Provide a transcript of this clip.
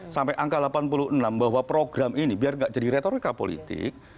sampai angka delapan puluh enam bahwa program ini biar tidak jadi retorika politik